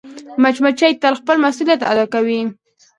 مچمچۍ تل خپل مسؤولیت ادا کوي